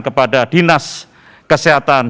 kepada dinas kesehatan